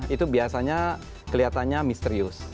itu biasanya kelihatannya misterius